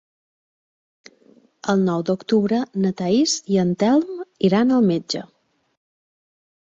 El nou d'octubre na Thaís i en Telm iran al metge.